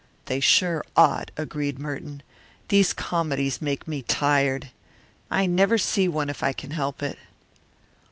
"They sure ought," agreed Merton. "These comedies make me tired. I never see one if I can help it."